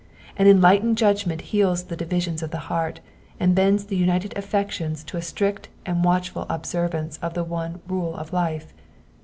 An en lightened judgment heals the divisions of the heart, and bends the united affections to a strict and watchful observance of the one rule of life.